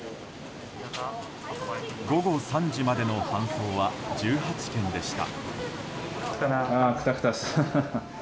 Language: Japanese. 午後３時までの搬送は１８件でした。